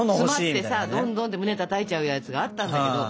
詰まってさドンドンって胸たたいちゃうやつがあったんだけど。